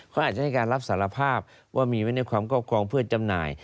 เขาอาจจะให้การรับสารภาพว่ามีไว้ในความครอบครองเพื่อจำหน่าย